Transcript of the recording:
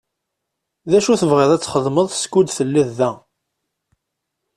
D acu i tebɣiḍ ad txedmeḍ skud telliḍ da?